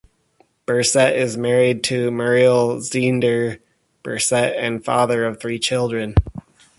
Berset is married to Muriel Zeender Berset and father of three children.